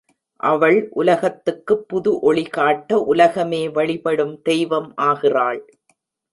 அவள் உலகத்துக்குப் புது ஒளிகாட்ட உலகமே வழிபடும் தெய்வம் ஆகிறாள்.